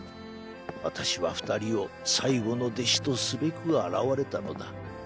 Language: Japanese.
私は二人を最後の弟子とすべく現れたのだ。